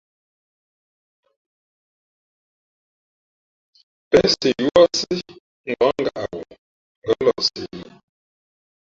Pěn si yúάsí ngα̌k ngaʼ ghoo, ngα̌ lαhsi yī.